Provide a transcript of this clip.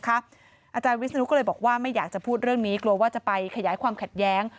อาจารย์วิศนุก็เลยบอกว่าไม่อยากจะพูดเรื่องนี้กลัวว่าจะไปขยายความขัดแย้ง